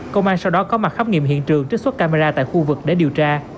công an sau đó có mặt khám nghiệm hiện trường trích xuất camera tại khu vực để điều tra